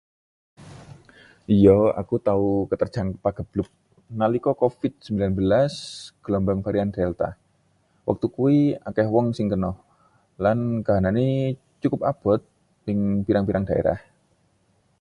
Iya, aku tau ketrajang pagebluk nalika COVID-19 gelombang varian delta. Wektu kuwi akeh wong sing kena, lan kahanane cukup abot ing pirang-pirang daerah.